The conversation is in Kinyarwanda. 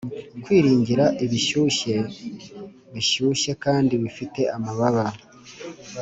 kwiringira ibishyushye bishyushye kandi bifite amababa